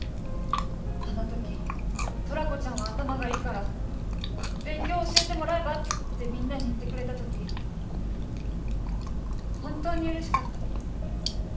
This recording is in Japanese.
あの時「トラコちゃんは頭がいいから勉強教えてもらえば」ってみんなに言ってくれた時本当にうれしかった。